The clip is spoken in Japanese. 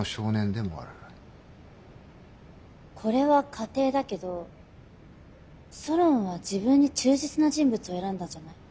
これは仮定だけどソロンは自分に忠実な人物を選んだんじゃない？